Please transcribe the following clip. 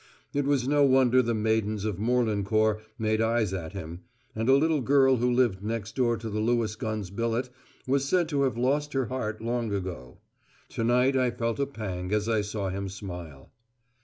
It was no wonder the maidens of Morlancourt made eyes at him, and a little girl who lived next door to the Lewis gunner's billet was said to have lost her heart long ago. To night I felt a pang as I saw him smile.